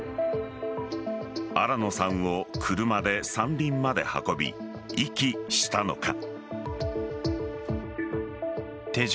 新野さんを車で山林まで運び遺棄したのか。